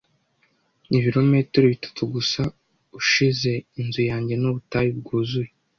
Ibirometero bitatu gusa ushize inzu yanjye ni ubutayu bwuzuye.